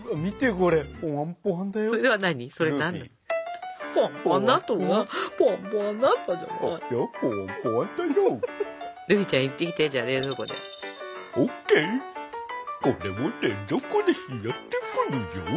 これ持って冷蔵庫で冷やしてくるぞ。